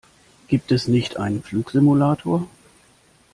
Gibt es nicht einen Flugsimulator?